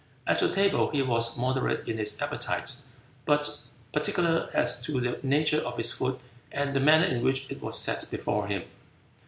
At the table he was moderate in his appetite but particular as to the nature of his food and the manner in which it was set before him.